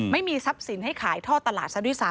ไม่มีทรัพย์สินให้ขายท่อตลาดซะด้วยซ้